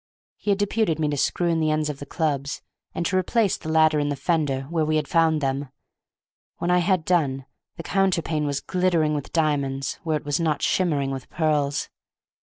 He had deputed me to screw in the ends of the clubs, and to replace the latter in the fender where we had found them. When I had done the counterpane was glittering with diamonds where it was not shimmering with pearls.